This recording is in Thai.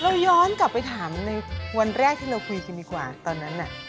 เราย้อนกลับไปถามในวันแรกที่เราคุยกันดีกว่าตอนนั้นน่ะ